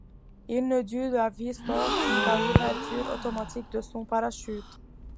Il ne dut la vie sauve qu'à l'ouverture automatique de son parachute.